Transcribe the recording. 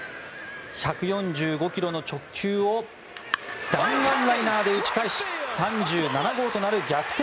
１４５ｋｍの直球を弾丸ライナーで打ち返し３７号となる逆転